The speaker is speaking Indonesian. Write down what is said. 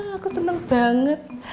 aku seneng banget